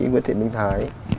nguyễn thị minh thái